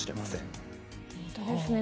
本当ですね。